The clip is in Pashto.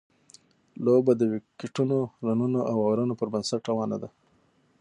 لوبه د ویکټونو، رنونو او اورونو پر بنسټ روانه ده.